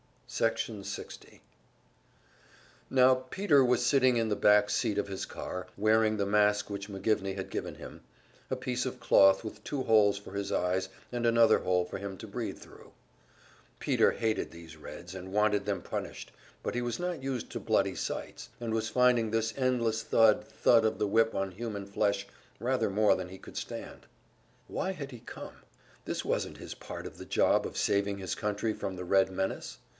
Section 60 Now Peter was sitting in the back seat of his car, wearing the mask which McGivney had given him, a piece of cloth with two holes for his eyes and another hole for him to breathe thru. Peter hated these Reds, and wanted them punished, but he was not used to bloody sights, and was finding this endless thud, thud of the whip on human flesh rather more than he could stand. Why had he come? This wasn't his part of the job of saving his country from the Red menace.